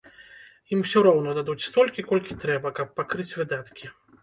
Ім усё роўна дадуць столькі, колькі трэба, каб пакрыць выдаткі.